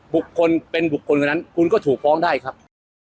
บุคคลเป็นบุคคลคนนั้นคุณก็ถูกฟ้องได้ครับ